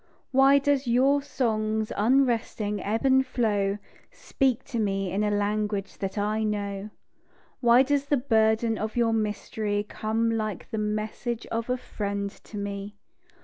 Why does your song's unresting ebb and flow Speak to me in a language that I know? Why does the burden of your mystery Come like the message of a friend to me?